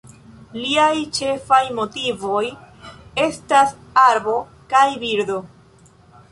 Liaj ĉefaj motivoj estas arbo kaj birdo.